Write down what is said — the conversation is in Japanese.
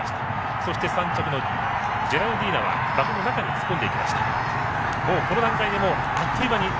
そして３着のジェラルディーナは突っ込んでいきました。